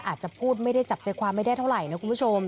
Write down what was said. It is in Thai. อาจจะพูดไม่ได้จับใจความไม่ได้แบบนี้